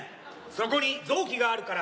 そこに臓器があるから。